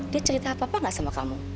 dia cerita apa apa nggak sama kamu